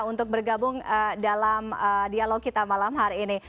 untuk bergabung dalam dialog kita malam hari ini